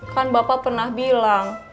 kan bapak pernah bilang